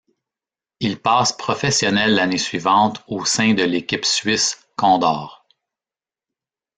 Il passe professionnel l'année suivante au sein de l'équipe suisse Condor.